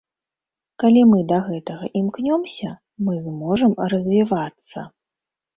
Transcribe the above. Калі мы да гэтага імкнёмся, мы зможам развівацца.